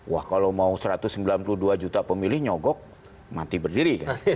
wah kalau mau satu ratus sembilan puluh dua juta pemilih nyogok mati berdiri